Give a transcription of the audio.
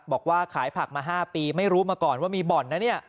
บอกว่าขายผักมา๕ปีไม่รู้มาก่อนว่ามีบ่อนนะเนี่ย